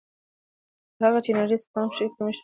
تر هغه چې انرژي سپما شي، کمښت به رامنځته نه شي.